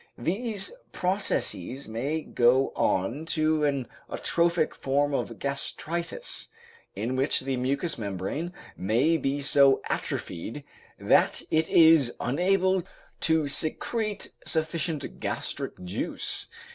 These processes may go on to an atrophic form of gastritis, in which the mucous membrane may be so atrophied that it is unable to secret sufficient gastric juice.